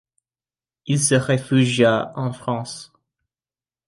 Il se réfugia en France.